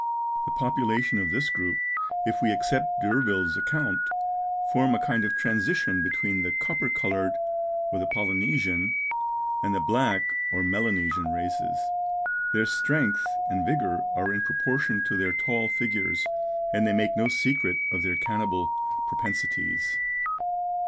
The population of this group, if we accept D'Urville's account, form a kind of transition between the copper coloured, or the Polynesian, and the black or Melanesian races. Their strength and vigour are in proportion to their tall figures, and they make no secret of their cannibal propensities.